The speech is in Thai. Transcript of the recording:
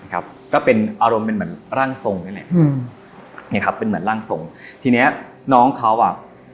ก็เป็นอารมณ์เป็นเหมือนร่างทรงนี่แหละอืมเนี่ยครับเป็นเหมือนร่างทรงทีเนี้ยน้องเขาอ่ะ